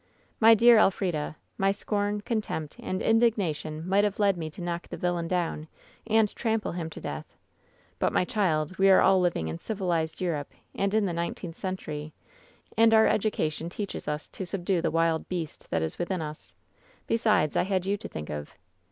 " 'My dear Elfrida, my scorn, contempt and indigna tion might have led me to knock the villain down and trample him to death. But, my child, we are all living in civilized Europe and in the nineteenth century, and our education teaches us to subdue the wild beast that is within us. Besides, I had you to think of.